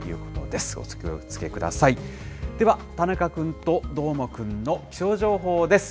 では、田中君とどーもくんの気象情報です。